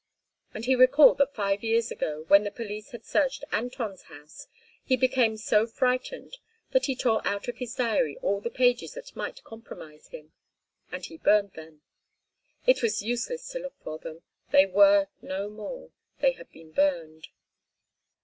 And he recalled that five years ago, when the police had searched Anton's house, he became so frightened that he tore out of his diary all the pages that might compromise him, and he burned them. It was useless to look for them—they were no more—they had been burned.